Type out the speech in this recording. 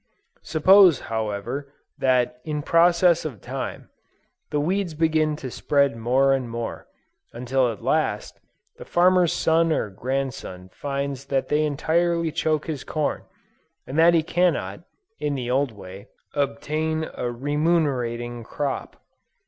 Suppose, however, that in process of time, the weeds begin to spread more and more, until at last, this farmer's son or grandson finds that they entirely choke his corn, and that he cannot, in the old way, obtain a remunerating crop.